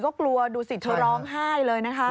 ก็กลัวดูสิเธอร้องไห้เลยนะคะ